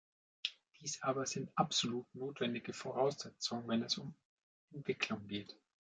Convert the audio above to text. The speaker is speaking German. Dies aber sind absolut notwendige Voraussetzungen, wenn es um Entwicklung geht.